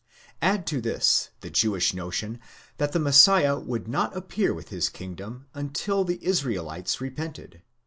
Add to this the Jewish notion that the Messiah would not appear with his kingdom until the Israelites repented